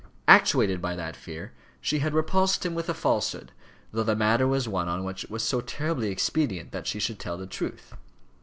Actuated by that fear she had repulsed him with a falsehood, though the matter was one on which it was so terribly expedient that she should tell the truth.